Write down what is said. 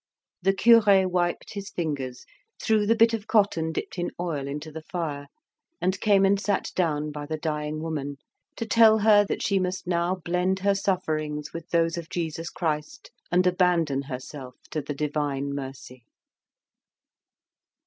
The cure wiped his fingers, threw the bit of cotton dipped in oil into the fire, and came and sat down by the dying woman, to tell her that she must now blend her sufferings with those of Jesus Christ and abandon herself to the divine mercy.